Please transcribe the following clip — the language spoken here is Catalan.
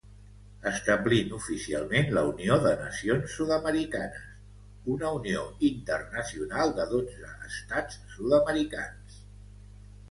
Establint oficialment la Unió de Nacions Sud-americanes, una unió internacional de dotze estats sud-americans.